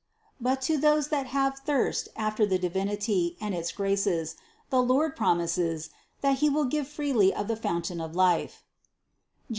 But to those that have thirst after the Divinity and its graces, the Lord promises, that He will give freely of the fountain of life (Jer.